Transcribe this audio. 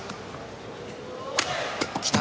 来た。